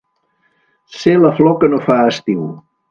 Ser la flor que no fa estiu.